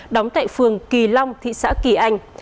đóng tại phường kỳ long thị xã kỳ anh